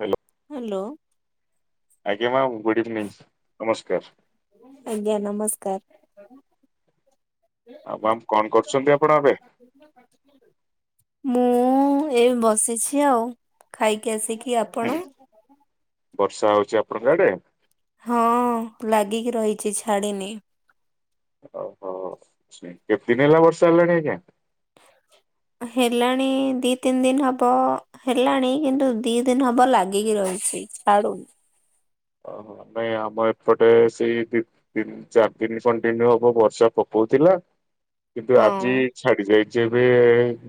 Hello. Hello. ଆଜ୍ଞା ma'am good evening ନମସ୍କାର। ଆଜ୍ଞା ନମସ୍କାର। ଆଉ ମ୍ୟାମ କଣ କରୁଚନ୍ତି ଆପଣ ଏବେ? ମୁଁ ଏଇ ବସିଚି ଆଉ। ଖାଇକି ଆସିକି ଆପଣ? ବର୍ଷା ହଉଚି ଆପଣଙ୍କ ଆଡେ? ହଁ ଲାଗିକି ରହିଚି ଛାଡ଼ିନି। ଓହୋ କେତେଦିନ ହେଲା ବର୍ଷା ହେଲାଣି ଆଜ୍ଞା? ହେଲାଣି ଦି ତିନି ଦିନ ହବ। ହେଲାଣି କିନ୍ତୁ ଦି ଦିନ ହବ ଲାଗିକି ରହିଛି ଛାଡୁନି। ଓହୋ ନାଇଁ ଆମ ଏପଟେ ସେଇ ତିନ ଚାରି ଦିନ କଣ୍ଟିନ୍ୟୁ ହବ ବର୍ଷା ପକଉଥିଲା। କିନ୍ତୁ ହଁ ଆଜି ଛାଡି ଯାଇଛି ଏବେ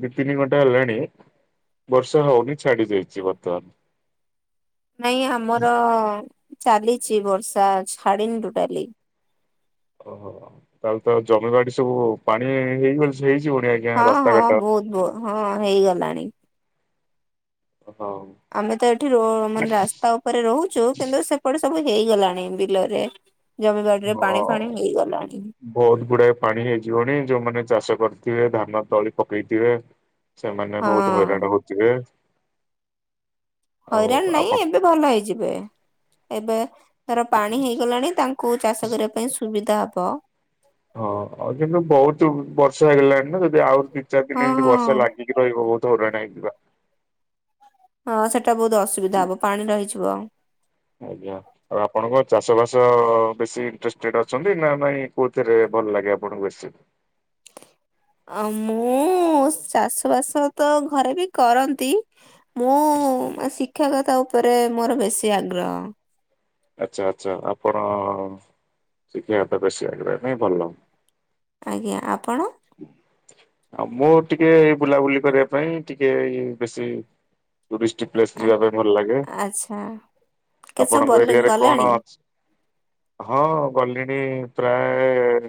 ଦି ତିନି ଘଣ୍ଟା ହେଲାଣି। ବର୍ଷା ହଉନି ଛାଡ଼ି ଯାଇଛି ବର୍ଷା। ନାଇଁ ଆମର ଚାଲିଛି ବର୍ଷା ଛାଡିନି ଟୋଟାଲି। ଓହୋ ତାହେଲେ ତ ଜମିବାଡି ସବୁ ପାଣି ହେଇଗଲେ ହେଇଯିବଣି ଆଜ୍ଞ ହଁ ହଁ ବହୁତ ବହୁ ହଁ ହେଇଗଲାଣି। ହଁ। ଆମେ ତ ଏଠି ରୋ ମାନେ ରାସ୍ତା ଉପରେ ରହୁଛୁ। କିନ୍ତୁ ସେ ଏପଟେ ସବୁ ହେଇଗଲାଣି ବିଲରେ ଜମିବାଡିରେ ପାଣି ହଁ ଫାଣି ହେଇଗଲାଣି। ବହୁତ ଗୁଡାଏ ପାଣି ହେଇଯିବଣି। ଯୋଉମାନେ ଚାଷ କରିଥିବେ ଧାନ ତଳି ପକେଇଥିବେ। ସେମାନେ ବହୁତ ହଁ ହଇରାଣ ହଉଥିବେ। ଆଉ ହଇରାଣ ନାଇଁ ଆପଣ ଏବେ ଭଲ ହେଇଯିବେ। ଏବେ ଧର ପାଣି ହେଇଗଲାଣି ତାଙ୍କ କୋଉ ଚାଷ କରିବା ପାଇଁ ସୁବିଧା ହବ। ହଁ ଆଉ ଯେନ୍ତୁ ବହୁତ ବର୍ଷ ହେଇଲାଣି ନା ଯଦି ଆହୁରି ଦି ଚାରି ହଁ ଦିନ ଏମିତି ହଁ। ବର୍ଷା ଲାଗ ଗିକି ରହିବ ବହୁତ ହଇରାଣ ହେଇଯିବା। ହଁ ସେଟା ବହୁତ ଅସୁବିଧା ହବ ପାଣି ରହିଯିବ ଆଉ। ଆଜ୍ଞା। ଆଉ ଆପଣଙ୍କ ଚାଷବାସ ବେଶୀ ଇଣ୍ଟଷ୍ଟେଡ ଅଛନ୍ତି। ନା ନାଇଁ କୋଉଥିରେ ଭଲ ଲାଗେ ଆପଣଙ୍କୁ ବେଶୀ? ଅ ମୁଁ ଚାଷବାସ ତ ଘରେ ବି କରନ୍ତି। ମୁଁ ଶିକ୍ଷକତା ଉପରେ ମୋର ବେଶୀ ଆଗ୍ରହ। ଆଚ୍ଛା ଆଚ୍ଛା ଆପଣ ଶିକ୍ଷାଗତ ବେଶୀ ଆଗ୍ରହ ନାଇଁ ଭଲ। ଆଜ୍ଞା ଆପଣ? ଆଉ ମୁଁ ଟିକେ ବୁଲାବୁଲି କରିବା ପାଇଁ ଟିକେଇ ବେଶୀ ଟୁରିଷ୍ଟ ପ୍ଲେସ ଯିବା ପାଇଁ ଭଲ ଲାଗେ। ଆଚ୍ଛା କେତେ ଆପଣଙ୍କ ସବୁ ଏରିଆରେ ଗଲେଣି? କଣ ଅଛି? ହଁ ଗଲିଣି ପ୍ରାୟ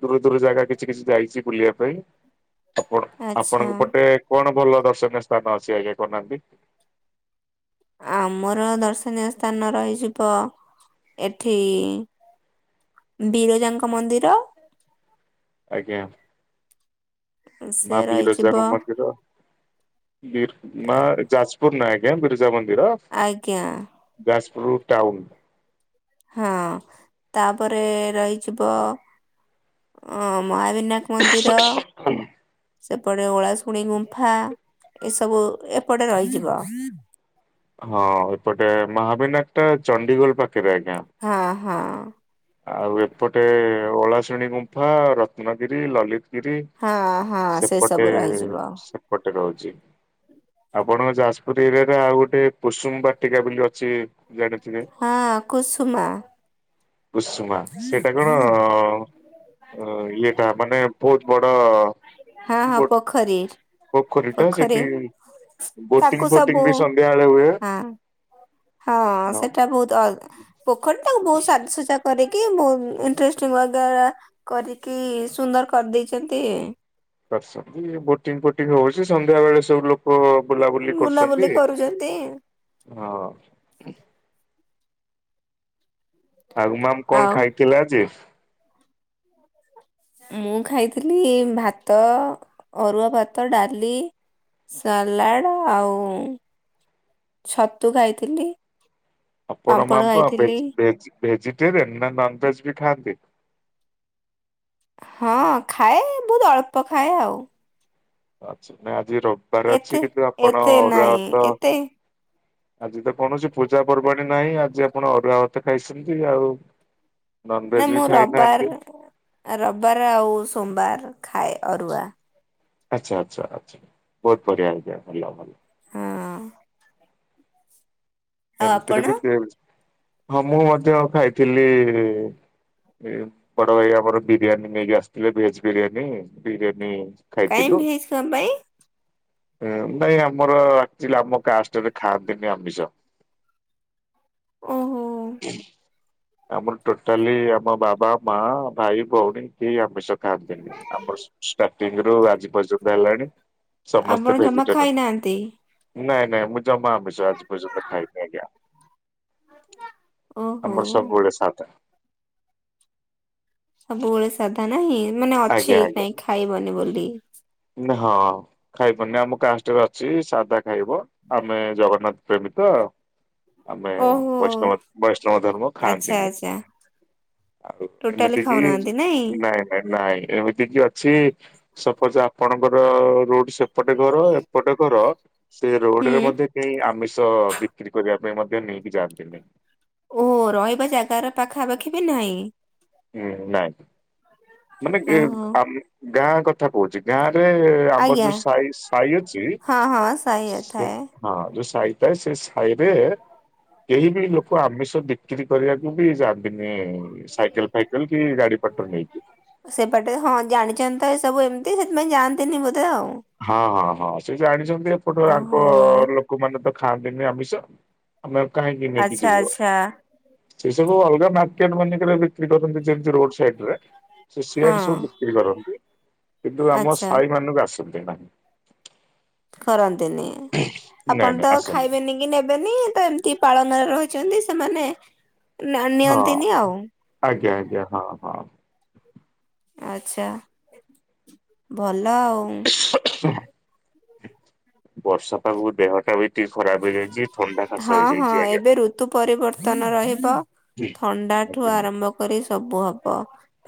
ଦୂର ଦୂର ଜାଗା କିଛି କିଛି ଯାଇଛି ବୁଲିବା ପାଇଁ। ଆପଣ ଆଚ୍ଛା ଆପଣଙ୍କ ପଟେ କଣ ଭଲ ଦର୍ଶନୀୟ ସ୍ଥାନ ଅଛି ଆଜ୍ଞା କହୁନାହାନ୍ତି। ଆମର ଦର୍ଶନୀୟ ସ୍ଥାନ ରହିଯିବ ଏଠି ବିରଜାଙ୍କ ମନ୍ଦିର। ଆଜ୍ଞା ସେ ମା ରହିଯିବ ବିରଜାଙ୍କ ମନ୍ଦିର। ବିର୍ ମା ଯାଜପୁର ନାଁ ଆଜ୍ଞା ବିରଜା ମନ୍ଦିର। ଆଜ୍ଞା। ଯାଜପୁର ଟାଉନ୍। ହଁ ତାପରେ ରହିଯିବ। ମହାବିନାୟକ ମନ୍ଦିର ସେପଟେ ଓଳାଶୁଣିୀ ଗୁମ୍ଫା। ଏସବୁ ଏପଟେ ରହିଯିବ। ହଁ ଏପଟେ ମହାବିନାୟକ ଟା ଚଣ୍ଡିଖୋଲ ପାଖରେ ଆଜ୍ଞା। ହଁ ହଁ। ଆଉ ଏପଟେ ଓଳାଶେଣୀ ଗୁମ୍ଫା ରତ୍ନଗିରି ଲଲିତି ଗିରି ହଁ ହଁ ସେ ସେପଟେ ସବୁ ରହିଯିବ ସେପଟେ ରହୁଚି। ଆପଣଙ୍କ ଯାସପୁରୁ ଏରିଆରେ ଆଉ ଗୋଟେ କୁସୁମୁ ବାଟିକା ବୋଲି ଅଛି ଜାଣିଥିବେ? ହଁ କୁସୁମା। କୁସୁମା ସେଇଟା କଣ ଇଏଟା ମାନେ ବହୁତ ବଡ ହଁ ହଁ ଗୋ ପୋଖରୀ। ପୋଖରୀଟା ପୋଖରେୀ ସେଠି ବୋଟିଂ ତାକୁ ଫୋଟିଂ ସବୁ ବି ସନ୍ଧ୍ୟା ବେଳେ ହୁଏ। ହଁ। ହଁ ସେଟା ବହୁତ ପୋଖରୀ ତାାକୁ ବହୁତ ସାଜସଜା କରିକି ବହୁ ଇଟ୍ରେଷ୍ଟ ୱାଲ ଦ୍ୱରା କରିକି ସୁନ୍ଦର କରିଦେଇଛନ୍ତି। କରିଛନ୍ତି ବୋଟିଂ ଫୋଟିଂ ହଉଛି ସନ୍ଧ୍ୟା ବେଳେ ସବୁ ଲୋକ ଲୋକ ବୁଲାବୁଲି ବୁଲାବୁଲି କରୁଚନ୍ତି କରୁଛନ୍ତି। ହଁ। ଆଗୁ ମାମ କଣ ଆଉ ଖାଇଥିଲେ ଆଜି? ମୁଁ ଖାଇଥିଲି ଭାତ ଅରୁଆ ଭାତ, ଡାଲି। ସାଲାଡ ଆଉ ଛତୁ ଖାଇଥିଲି। ଆପଣ ମା ପାମ୍ପଡ଼ ମ କଣ ଭେ ଖାଇଥିଲି। ଭେ ଭେଜିଟେରେ ନା ନନ ଭେଜ ବି ଖାଆନ୍ତି? ହଁ ଖାଏ ବହୁତ ଅଳ୍ପ ଖାଏ ଆଉ। ଅଛି ନା ଆଜି ରବିବାର ଏତେ ଅଛି କିନ୍ତୁ ଆପଣ ଏତେ ଅରୁଆ ନାଇଁ ଭାତ ଏତେ ଆଜି ତ କୌଣସି ପୂଜା ପର୍ବାଣୀ ନାହିଁ ଆଜି ଆପଣ ଅରୁଆ ଭାତ ଖାଇଛନ୍ତି ଆଉ। [inaudible] ନା, ବି ମୁଁ ଖାଇନାହାନ୍ତି ରବାର, ରବାର ଆଉ ସୋବାର ଖାଏ ଅରୁଆ। ଆଚ୍ଛା ଆଚ୍ଛା ଆଛା ବହୁତ ବଢିଆ ଆଜ୍ଞା ଭଲ। ହଁ। ଆଉ ଏମିତିରେ ଆପଣ ବି ତିଆଚି ହଁ ମୁଁ ମଧ୍ୟ ଖାଇଥିଲି। ଏ ବଡ ଭାଇ ଆମର ବିରିୟାନୀ ନେଇକି ଆସିଥିଲେ ଭେଜେ ବିରିୟାନୀ ବିରିୟାନୀ। କାଇଁ ଖାଇଥିଲୁ। ଭେଜେ କଣ ପାଇଁ? ନାଇଁ ଆମର ଆକ୍ଚୁ ଆଲି ଆମ କାଷ୍ଟରେ ଖାଆନ୍ତିନି ଆମିଷ। ଓହୋ। ଆମର ଟୋଟାଲି ଆମ ବାବା ମା ଭାଇ ଭଉଣୀ କେହି ଆମିଷ ଖାଆନ୍ତି ନେହିଁ ଆମରଷ୍ଟା ର୍ଟିଂ ରୁ ଆଜି ପର୍ଯ୍ୟନ୍ତ ହେଲାଣି। ସମସ୍ତେ ଆପଣ ଜମା ଭେଜିଟେବଲ୍ ଖାଇନାହାନ୍ତି? ନାଇଁ ନାଇଁ ମୁଁ ଜମା ଆମିଷ ଆଜି ପର୍ଯ୍ୟନ୍ତ ଖାଇନି ଆଜ୍ଞା। ଓହୋ ଆମର ସବୁବେଳେ ସାଧା। ସବୁବେଳେ ସାଧା ନାହିଁ ମାନେ ଆଜ୍ଞା ଅଛି କାହିଁ ଖାଇବନି ବୋଲି। ମୁଁ କହିନି ହଁ ଖାଇପାରୁନି ଆମ କାଷ୍ଟରେ ଅଛି ସାଧା ଖାଇବ। ଆମେ ଜଗନ୍ନାଥ ପ୍ରେମୀତ ଅ ଆମେ ଓହୋ ବୈଷ୍ଣବ ବୈଷ୍ଣବ ଧର୍ମ ଆଚ୍ଛା ଖାଆନ୍ତିନି। ଆଚ୍ଛା ଆଉ ଟୋଟାଲି ଏତିକି ଖାଉନାହାନ୍ତି ନାଇଁ ନାଇଁ ନାଇଁୟ। ତିକି ଅଛି ସପୋଜ ଆପଣଙ୍କର ରୋଡ୍ ସେ ଏପଟେ କର ଏପଟେ କର ସେ ହୁଁ। ରୋଡରେ ମଧ୍ୟ ଏ ଆମିଷ ବିକ୍ରି କରିବା ପାଇଁ ମଧ୍ୟ ନେଇକି ଯାଆନ୍ତିନାଇଁ। ଓହ ରହିବା ଜାଗାର ପାଖାପାଖି ବି ନାହିଁ। ହୁଁ ନାଇଁ ମାନେ ଗାଁ ଓହୋ କଥ କଥା କହୁଛି ଗାଁ ରେ ଆମର ଆଜ୍ଞା। ଯୋଉ ସାହି ସାହି ଅଛି ହଁ ହଁ ସେଇଆ ସେ ଥାଏ। ହଁ ଯୋଉ ସାହିଥାଏ ସେ ସାହିରେ କେହି ବି ଲୋକ ଆମିଷ ବିକ୍ରି କରିବାକୁ ବି ଯାବିନି ସାଇକେଲ ଫାଇକେଲ କି ଗାଡି ପଟର ନେଇକି। ସେପାଟେ ହଁ ଜାଣିଛନ୍ତି ତ ଏସବୁ ଏମିତି ସେଥିପାଇଁ ଜାଆନ୍ତିନି ବୋଧେ ଆଉ। ହଁ ହଁ ହଁ ସେ ଜାଣିଛନ୍ତି ଏପଟ ଆଙ୍କ ଓହୋ ଲୋକମାନେ ତ ଖାଆନ୍ତିନି ଆମିଷ। ଆମେ ଆଉ କାହିଁକି ନେଇକି ଆଚ୍ଛା ଯିବୁ ଆଉ। ଆଚ୍ଛା ସେ ସବୁ ଅଲଗା ମାର୍କେଟ ମାନିକରେ ବିକ୍ରି କରନ୍ତି ଯେମିତି ରୋଡ ସାଇଟରେ। ସେ ହଁ ସିଆଡେ ସବୁ ବିକ୍ରି କରନ୍ତି। କିନ୍ତୁ ଆମ ଆଚ୍ଛା। ସାହି ମାନଙ୍କୁ ଆସନ୍ତି ନାହିଁ। କରନ୍ତିନି ନାଇଁ ଆପଣ ନାଇଁ ତ ଆସନ୍ତି ଖାଇବେନି। କି ନେବେନି ତ ଏମିତି ପାଳଙ୍ଗରେ ରହିଛନ୍ତି ସେମାନେ ନା ହଁ ନିଅନ୍ତିନି ଆଉ। ଆଜ୍ଞା ଆଜ୍ଞା ହଁ ହଁ। ଆଛା ଭଲ ଆଉ। ବର୍ଷା ପାଗକୁ ଦେହଟା ବି ଟିକେ ଖରାପ ହେଇଯାଇଛି ଥଣ୍ଡା କାଶ ହଁ ହଁ ହେଇଯାଇଛି ଆଜ୍ଞା। ଏବେ ଋତୁ ପରିବର୍ତ୍ତନ ରହିବ। ଥଣ୍ଡା ଠୁ ଆଜ୍ଞା। ଆରମ୍ଭ କରି ସବୁ ହବ।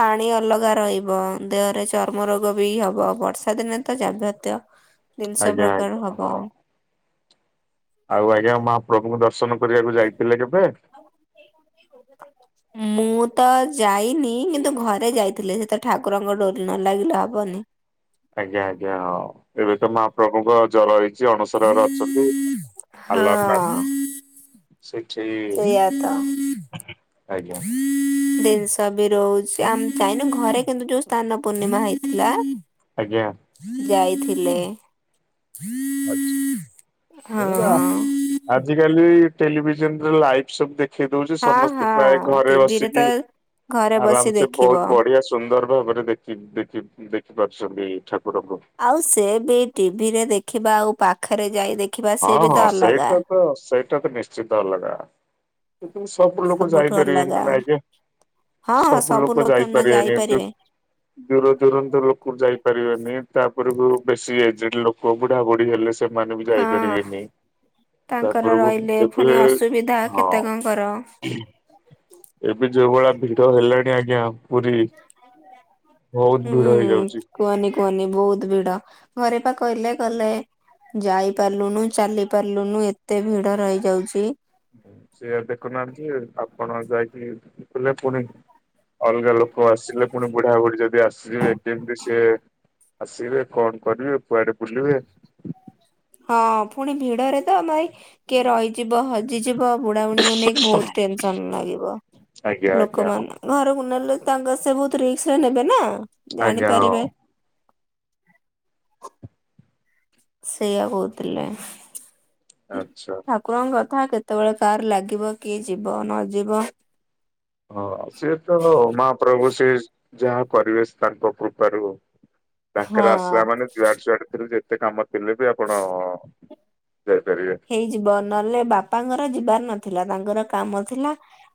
ପାଣି ଅଲଗା ରହିବ ଦେହରେ ଚର୍ମ ରୋଗ ବି ହବ ବର୍ଷା ଦିନେ ତ ଯାଭତ୍ୟ ଜିନିଷ ଆଜ୍ଞା ଆଜ୍ଞା ପ୍ରକାର ହଁ ହବ। ଆଉ ଆଜ୍ଞା ମହାପ୍ରଭୁଙ୍କ ଦସ୍ ସନ୍ କରିବାକୁ ଆଛା ଯାଇଥିଲେ କେବେ? ଆଉ। ମୁଁ ତ ଯାଇନି କିନ୍ତୁ ଘରେ ଯାଇଥିଲି ସେ ତ ଠାକୁରଙ୍କ ଡୋରି ନ ଲାଗିଲା ହବନି। ଆଜ୍ଞା ଆଜ୍ଞା ହଁ ଏବେ ତ ମାହାପ୍ରଭୁଙ୍କ ଜର ହେଇଛି। ଚି ଅଣୁସରାର ଅଛନ୍ତି। ଆଲ୍ଲାରନାଥ ହଁ। ସେଇଆ ତ ସେଇଠି ଆଜ୍ଞା। ଜିନିଷ ବି ରହୁଛି ଆମ ଜାଇନୁ ଘରେ କିନ୍ତୁ ଯୋଉ ସ୍ନାନ ପୂର୍ଣ୍ଣିମା ହେଇଥିଲା ଆଜ୍ଞା। ଯାଇଥିଲେ। ଆଛା ଆ ହଁ ଆଜିକାଲି ଟେଲିଭିଜନରେ ଲାଇଭ ସବୁ ଦେଖ ଖେଇଦଉଛି ହଁ ସମସ୍ତେ ହଁ ପ୍ରାୟ ଘରେ ଟିଭିରେ ବସିକି ତ ଘରେ ବସି ଆରାମସେ ଦେଖିବ ବହୁତ ବଢିଆସେ ସୁନ୍ଦର ଭାବରେ ଦେଖି ଦେଖି ଦେଖି ପାରୁଛନ୍ତି ଠାକୁରଙ୍କୁ। ଆଉ ସେ ବି ଟିଭିରେ ଦେଖିବା ଆଉ ପାଖରେ ଯାଇ ଦେଖି ହଁ ହଁ ସେଇଟା ତ ସେଇଟା ତ ନିଶ୍ଚିତ ଅଲଗା। କିନ୍ତୁ ସବୁ ଲୋକ ସବୁଠୁ ଯାଇପାରିବେନି ଅଲଗା ନାଁ ଆଗେ। ହଁ ହଁ ସବୁ ଲୋକ ଥୋଡି ନା ଯାଇପାରିବେନି ଦୂ ଯାଇପାରିବେ ଦୂର ଦୂୁରନ୍ତ ଲୋକ ଯାଇପାରିବେନି ତାପରେ ବି ବେଶୀ ଏଜେଡ ଲୋକ ବୁଢା ବୁଢି ହେଲେ ସେମାନେ ବି ହଁ ଯାଇପାରିବେନି। ତାଙ୍କର ତାପରକୁ ରହିଲେ ଏବେ ପୁଣି ଅସୁବିଧା ହଁ। କେତେକଙ୍କର ଏବେ ଯୋଉ ଭଳିଆ ଭିଡ ହେଲାଣି ଆଜ୍ଞା ପୁରୀ ବହୁତ ଭିଡ ହୁଁ ହେଇଯାଉଛି। କୁହନି କୁହନି ବହୁତ ଭିଡ ଘରେ ପା କହିଲେ ଗଲେ। ଯାଇ ପାରିଲୁନୁ ଚାଲି ପାରିଲୁନୁ ଏତେ ଭିଡ ରହିଯାଉଚି। ସେ ଦେଖୁ ନାହାନ୍ତି ଆପଣ ଯାଇକିଲେ ପୁଣି ଅଲଗା ଲୋକ ଆସିଲେ ପୁଣି ବୁଢା ବୁଢ଼ୀ ଯଦି ଆସିଯିବେ କେମିତି ସେ ଆସିବେ କଣ କରିବେ କୁଆଡେ ବୁଲିବେ। ହଁ ପୁଣି ଭିଡରେ ତ ଭାଇ କିଏ ରହିଯିବ ହ ଜି ଯିବ ବୁଢା ବୁଢୀଙ୍କୁ ନେଇକି ବହୁତ ଟେନ୍‌ସନ୍‌ ଲାଗିବ ଆଜ୍ଞା ଆଜ୍ଞା ଲୋକମାନ ଘରକୁ ନେଲେ ତାଙ୍କ ସେ ବହୁତ ରିକ୍ସ ନେବେ ନା ଆଜ୍ଞା ହଁ ଜାଣିପାରିବେ। ସେଇଆ କହୁଥିଲେ। ଆଛା। କୁରଙ୍କ କଥା କେତେବେଳେ କାହାର ଲାଗିବ କି ଯିବ ନ ଯିବ। ହଁ ସିଏ ତ ମହାପ୍ରଭୁ ସେ ଯାହା କରିବେ ସେ ତାଙ୍କ ପୃପାରୁ ତାଙ୍କର ହଁ ଆସିଲା ମାନେ ଯୁଆଡେ ସୁୁଆଡେ ଥିଲେ ଯେତେ କାମ ଥିଲେ ବି ଆପଣ ଯାଇପାରିବେ। ହେଇ ଯିବ ନହେଲେ ବାପାଙ୍କର ଯିବାର ନଥିଲା ତାଙ୍କର କାମ ଥିଲା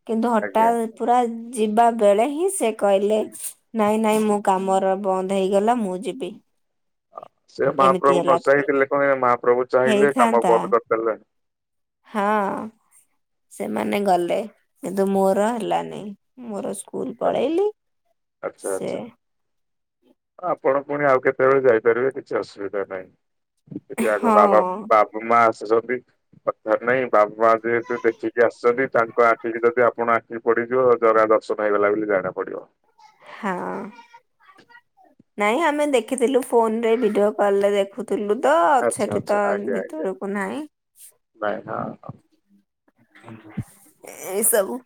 କିନ୍ତୁ ଆଜ୍ଞା ହଠାତ୍ ପୁରା ଯିବା ବେଳେ ହିଁ ସେ କହିଲେ ନାଇଁ ନାଇଁ ମୋ କାମର ବନ୍ଦ ହେଇଗଲା ମୁଁ ଯିବି। ସେ ଏମିତି ମହାପ୍ରଭୁ ହେଲା ନଚାହିଁଥିଲେ କଣ ମହାପ୍ରଭୁ ଚାହିଁଲେ କାମ ହେଇଥାନ୍ତା ବନ୍ଦ କରିଦେଲେ। ହଁ ସେମାନେ ଗଲେ କିନ୍ତୁ ମୋର ହେଲାନି। ମୋର ସ୍କୁଲ ପଳେଇଲି ଆଚ୍ଛା ସେ ଆଚ୍ଛା ଆପଣ ପୁଣି ଆଉ କେତେବେଳେ ଯାଇପାରିବେ କିଛି ଅସୁବିଧା ନାହିଁ। ସେଠି ଆଗ ହଁ ବାବା ବା ମା ଆସ ଜଲ୍ଦି। କଥା ନାଇଁ ବାବା ଯେହେତୁ ଦେଖିକି ଆସିଛନ୍ତି ତାଙ୍କ ଆଖିକି ଯଦି ଆପଣ ପଡିଯିବ ଜରା ଦର୍ଶନ ହେଇଗଲା ବୋଲି ଜାଣା ପଡିବ। ହଁ। ନାଇଁ ଆମେ ଦେଖିଥିଲୁ ଫୋନ୍ ରେ ଭିଡିଓ କଲ୍ ରେ ଦେଖୁୁ ଥିଲୁ ତ ଆଚ୍ଛା ସେଠି ଆଚ୍ଛା ତ ଭିତରକୁ ନାଇଁ। ଭାଇ ହଁ ହଁ। ଏ ସବୁ।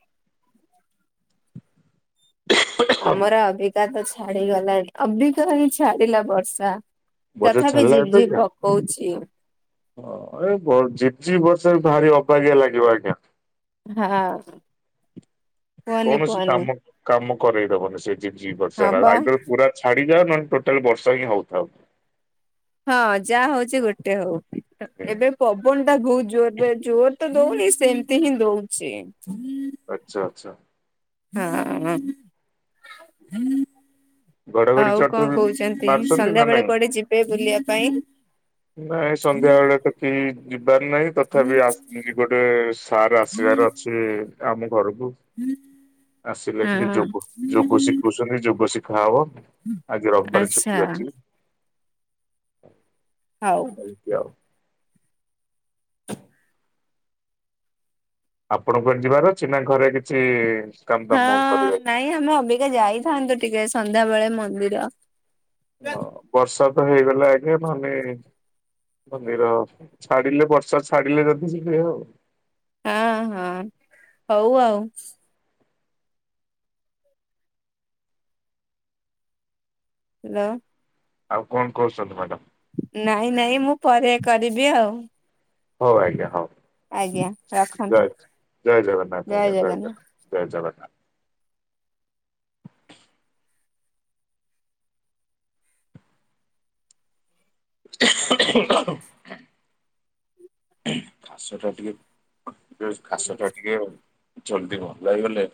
ହଁ ଆମର ଅବିକା ତ ଛାଡିଗଲା ଅବିକା ହିଁ ଛାଡିଲା ବର୍ଷା। ବର୍ଷା ତଥାପି ଛାଡିଲା ଜିପି ଏବେ କି ଜିପି ପକଉଛି। ହଁ ଏ ଝିପ୍ ଝିପ୍ ବର୍ଷା ବି ଭାରି ଅବାଗିଆ ଲାଗିବ ଆଜ୍ଞା। ହାଁ। କୌଣସି କାମ କାମ କରଇଦବନି ସେ ଜିପ୍ ଜିପ୍ ହଁ ବର୍ଷା ଟା ବା। ଆଇଦର ପୁରା ଛାଡି ଯା ନହଲେ ଟୋଟାଲ୍ ବର୍ଷ ହିଁ ହଉଥାଉ। ହଁ ଯାହା ହୋଉଚି ଗୋଟେ ହୋଉ ହୁଁ ଏବେ ପବନ ଟା ବହୁତ ଜୋରରେ ଜୋର ତ ଦଉନି ସେମତି ହିଁ ଦଉଛି। ଆଚ୍ଛା ଆଚ୍ଛା। ହଁ। ଘଡଘଡି ଆଉ କଣ ଚଡଚଡି କହୁଛନ୍ତି ମାରୁଛନ୍ତି ସନ୍ଧ୍ୟା ନା ବେଳେ ନାଇଁ? କୁଆଡେ ଯିବେ ବୁଲିବା ପାଇଁ? ନାଇଁ ସନ୍ଧ୍ୟା ବେଳେ କି ଯିବାର ନାହିଁ ତଥାପି ଗୋଟେ ସାର୍ ଆସିବାର ଅଛି। ଆମେ ଘରକୁ ଆସିଲେ ଟିକେ ହଁ ଯୋଗ ଯୋଗ ଶିଖୁଛନ୍ତି ଯୋଗ ଶି ଖା ହବ ଆଜି ରବିବାର ଆଚ୍ଛା ଛୁଟି ଅଛି। ହଉ। ହୁଁ କି ଆଉ। ଆପଣ କୁଆଡ଼େ ଯିବାର ଅଛି ନାଁ ଘରେ କିଛି କାମ ଦାମ ହଁ କରିବେ ନାଇଁ ଆମେ ଅବିକା ଯାଇଥାନ୍ତୁ ଟିକେ ସନ୍ଧ୍ୟା ବେଳେ ମନ୍ଦିର। ଅ ବର୍ଷା ତ ହେଇଗଲା ଏବେ ନହନେ ମନ୍ଦିର ଛାଡ଼ିଲେ ବର୍ଷା ଛାଡ଼ିଲେ ଯଦି ଯିବେ ଆଉ। ହଁ ହଁ ହଉ ଆଉ। ର। ଆଉ କଣ କୋହୁଛନ୍ତି ମ୍ୟାଡ଼ାମ୍? ନାଇଁ ନାଇଁ ମୁଁ ପରେ କରିବି ଆଉ। ହଉ ଆଜ୍ଞା ହଉ ଆଜ୍ଞା ରଖନ୍ତୁ ଜୟ ଜୟ ଜଗନ୍ନାଥ ଆଜ୍ଞା ଜୟ ଜଗ ଜୟ ଜଗନ୍ନା [inaudible] ଖାସଟା ଟିକେ ଏଠି ହୋଉଚି ଖାସଟା ଟିକେ ଆଉ। ଜଲଦି ଭଲ ହେଇଗଲେ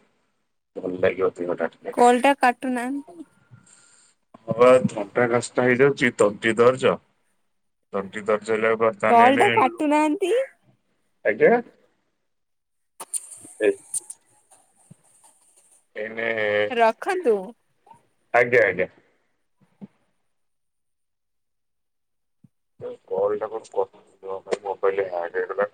ଭଲ ଲାଗିବ ଦେହଟା। ଟିକେ। କଲ୍ ଟା କାଟୁ ନାହାନ୍ତି। ହଁ ବା ଥଣ୍ଡା କାଶଟା ହେଇଯାଉଚି ତଣ୍ଟି ଦରଜ ତଣ୍ଟି ଦର୍ଜ ହେଲା ଅଳୁକୁ ଆ କଲ୍ ଟା କାଟୁ ନାହାନ୍ତି। ଆଜ୍ଞା? ଏଇନେ ରଖନ୍ତୁ। ଆଜ୍ଞା ଆଜ୍ଞା। ଏଁ କଲ୍ ଟା କଣ କ ରୁହ ପା ଏ ମୋବାଇଲ ହ୍ୟାଙ୍ଗ୍ ହେଇଗଲାନା